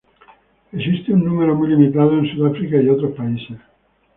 Existe un número muy limitado en Sudáfrica y otros países.